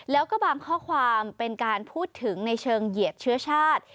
แล้วก็บางข้อความเป็นการพูดถึงในเชิงเหยียดเชื้อชาติ